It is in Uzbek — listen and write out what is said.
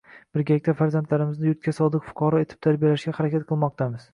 Birgalikda farzandlarimizni yurtga sodiq fuqaro etib tarbiyalashga harakat qilmoqdamiz